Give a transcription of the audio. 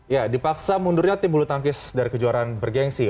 ya dipaksa mundurnya tim bulutangkis dari kejuaraan bergensi